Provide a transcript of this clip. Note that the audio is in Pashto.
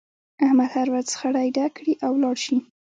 احمد هر ورځ خړی ډک کړي او ولاړ شي.